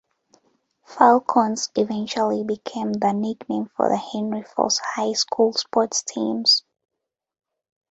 "Falcons" eventually became the nickname for the Henry Foss High School sports teams.